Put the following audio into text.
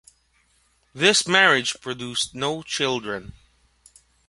This marriage produced no children.